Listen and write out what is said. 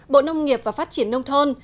bộ nông nghiệp và phát triển nông thôn